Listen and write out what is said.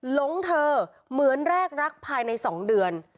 หลงเธอเหมือนแรกรักภายใน๒เดือน